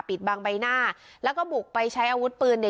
บางใบหน้าแล้วก็บุกไปใช้อาวุธปืนเนี่ย